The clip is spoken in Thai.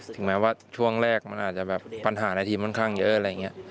ถึงแม้ว่าช่วงแรกมันอาจจะแบบปัญหาในทีมค่อนข้างเยอะอะไรอย่างนี้